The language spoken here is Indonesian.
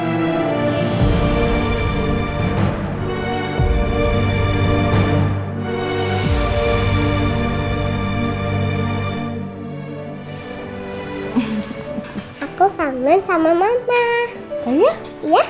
mama juga kangen berasa anak mama ini